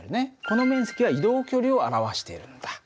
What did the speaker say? この面積は移動距離を表しているんだ。